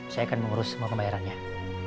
saya akan mengurus semua pembayarannya